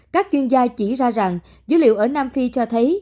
các chuyên gia chỉ ra rằng dữ liệu ở nam phi cho thấy